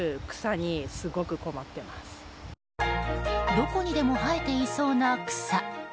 どこにでも生えていそうな草。